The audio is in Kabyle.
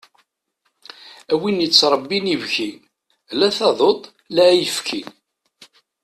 Am win yettrebbin ibki, la taduṭ la ayefki.